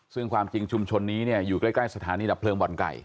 ซึ่งความจริงชุมชนนี้อยู่ใกล้สถานีดับเลิงบ่อนไก่